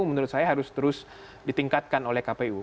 menurut saya harus terus ditingkatkan oleh kpu